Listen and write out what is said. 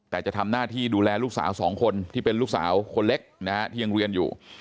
แต่จะทำหน้าที่ดูแลลูกสาวสองคนที่เป็นลูกสาวคนเล็กนะฮะที่ยังเรียนอยู่